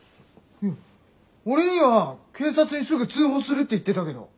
いや俺には「警察にすぐ通報する」って言ってたけど。